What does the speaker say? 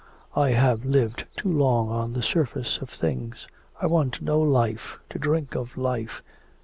I have lived too long on the surface of things. I want to know life, to drink of life...